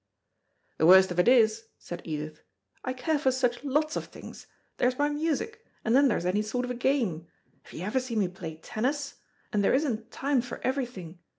"The worst of it is," said Edith, "I care for such lots of things. There's my music, and then there's any sort of game have you ever seen me play tennis? and there isn't time for everything.